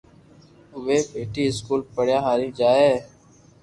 اووي ٻيئي اسڪول پپڙيا ھارين جائي